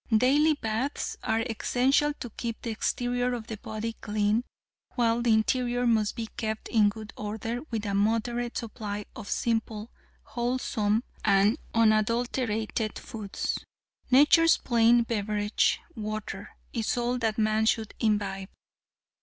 Daily baths are essential to keep the exterior of the body clean, while the interior must be kept in good order with a moderate supply of simple, wholesome and unadulterated foods. Nature's plain beverage, water, is all that man should imbibe.